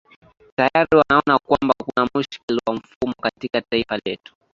tayari wanaona kwamba kuna mushkeli wa mfumo katika taifa letu